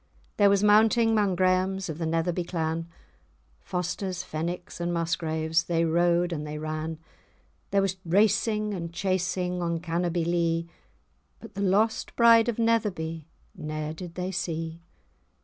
There was mounting 'mong Graemes of the Netherby clan; Fosters, Fenwicks, and Musgraves, they rode and they ran, There was racing and chasing, on Cannobie Lee, But the lost bride of Netherby ne'er did they see.